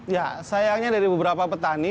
ya sayangnya dari beberapa petani